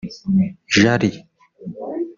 Jali